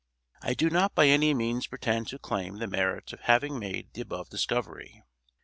I do not by any means pretend to claim the merit of having made the above discovery.